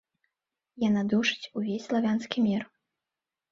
Яна душыць увесь славянскі мір.